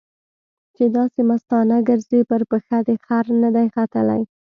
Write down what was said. چې داسې مستانه ګرځې؛ پر پښه دې خر نه دی ختلی.